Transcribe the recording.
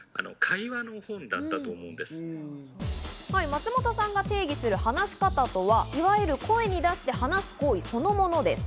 松本さんが定義する話し方とはいわゆる声に出して話す行為そのものです。